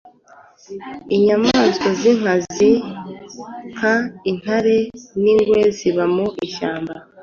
Inyamaswa zinkazi nka intare ningwe ziba mu ishyamba